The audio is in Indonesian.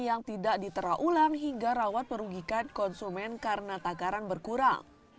yang tidak ditera ulang hingga rawat merugikan konsumen karena takaran berkurang